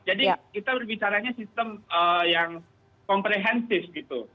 jadi kita berbicara sistem yang komprehensif gitu